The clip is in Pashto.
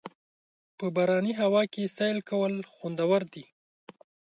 په باراني هوا کې سیل کول خوندور دي.